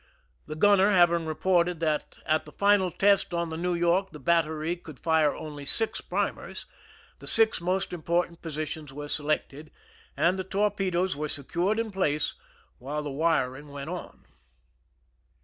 The gunner having reported that at the final test on the New York the battery could fire only six primers, the six most important positions were selected, and the torpedoes were secured in place while the wiring went on.